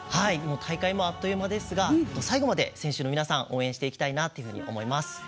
大会もあっという間ですが選手の皆さん応援していきたいと思います。